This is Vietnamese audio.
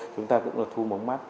chúng ta cũng là thu mống mắt